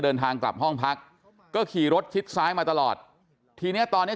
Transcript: เดินทางกลับห้องพักก็ขี่รถชิดซ้ายมาตลอดทีเนี้ยตอนเนี้ย